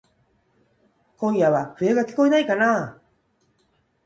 今夜は笛がきこえないかなぁ。